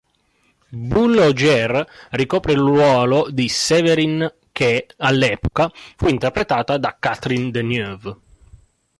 Bulle Ogier ricopre il ruolo di Séverine che, all'epoca, fu interpretata da Catherine Deneuve.